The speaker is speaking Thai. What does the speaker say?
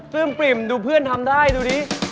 พื้นพริมดูเพื่อนทำได้ดูนิ